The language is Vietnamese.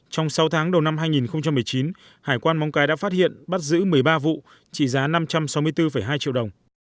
trong sáu tháng đầu năm hai nghìn một mươi chín hải quan móng cái đã phát hiện bắt giữ một mươi ba vụ trị giá năm trăm sáu mươi bốn hai triệu đồng